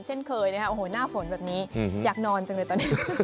เช่นเคยนะครับโอ้โหหน้าฝนแบบนี้อยากนอนจังเลยตอนนี้